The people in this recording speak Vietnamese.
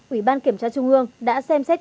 ủy ban kiểm tra trung ương đã xem xét